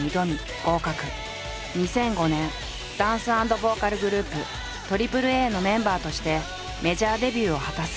２００５年ダンス＆ボーカルグループＡＡＡのメンバーとしてメジャーデビューを果たす。